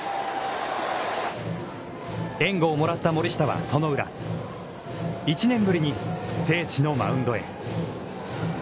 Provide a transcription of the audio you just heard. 援護をもらった森下はその裏、１年ぶりに聖地のマウンドへ。